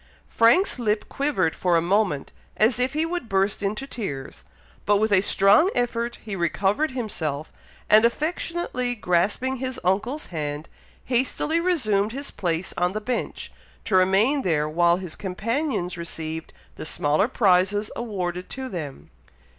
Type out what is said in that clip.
Frank's lip quivered for a moment, as if he would burst into tears, but with a strong effort he recovered himself, and affectionately grasping his uncle's hand, hastily resumed his place on the bench, to remain there while his companions received the smaller prizes awarded to them.